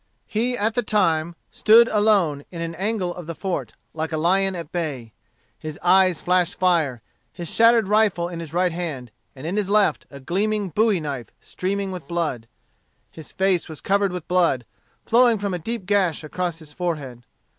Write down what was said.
He at the time stood alone in an angle of the fort, like a lion at bay. His eyes flashed fire, his shattered rifle in his right hand, and in his left a gleaming bowie knife streaming with blood. His face was covered with blood flowing from a deep gash across his forehead.